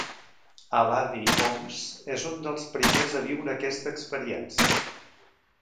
Eladi Homs és un dels primers a viure aquesta experiència.